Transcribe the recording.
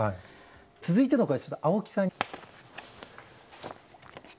続いての声は青木さんに。